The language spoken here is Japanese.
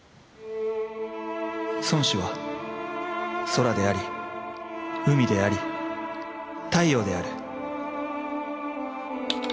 尊師は空であり海であり太陽である